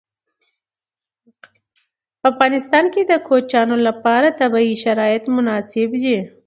په افغانستان کې د کوچیانو لپاره طبیعي شرایط مناسب دي.